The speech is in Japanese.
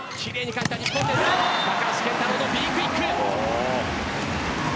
高橋健太郎のＢクイック！